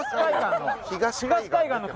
東海岸の。